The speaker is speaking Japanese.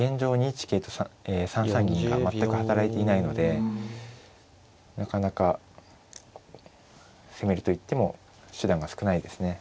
２一桂と３三銀が全く働いていないのでなかなか攻めるといっても手段が少ないですね。